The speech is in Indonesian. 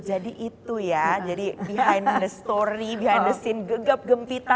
jadi itu ya jadi behind the story behind the scene gegap gempita